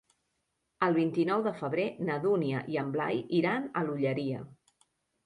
El vint-i-nou de febrer na Dúnia i en Blai iran a l'Olleria.